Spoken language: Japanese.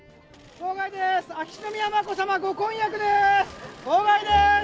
号外です！